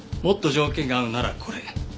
もっと条件が合うならこれ。